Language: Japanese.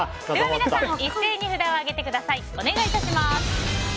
みなさん一斉に札を上げてください。